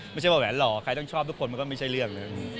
ไม่ใช่ว่าแหวนหล่อใครต้องชอบทุกคนมันก็ไม่ใช่เรื่องเลย